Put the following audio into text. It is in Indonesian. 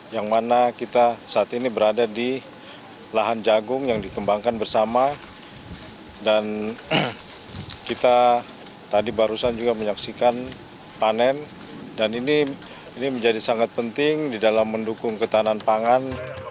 yang mana kita saat ini berada di lahan jagung yang dikembangkan bersama dan kita tadi barusan juga menyaksikan panen dan ini menjadi sangat penting di dalam mendukung ketahanan pangan